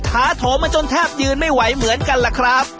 ถาโถมาจนแทบยืนไม่ไหวเหมือนกันล่ะครับ